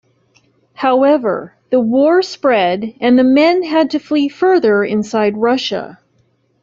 However, the war spread and the men had to flee further inside Russia.